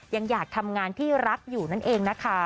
ยังอยากทำงานที่รักอยู่นั่นเองนะคะ